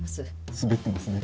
スベってますね。